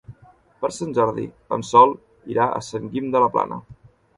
Per Sant Jordi en Sol irà a Sant Guim de la Plana.